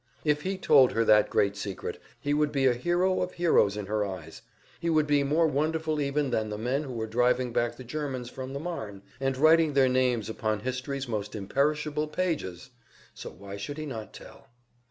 If he told her that great secret, he would be a hero of heroes in her eyes; he would be more wonderful even than the men who were driving back the Germans from the Marne and writing their names upon history's most imperishable pages! So why should he not tell?